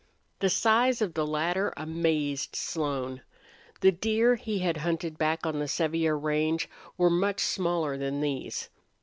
The size of the latter amazed Slone. The deer he had hunted back on the Sevier range were much smaller than these.